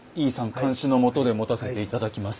監修のもとで持たせて頂きます。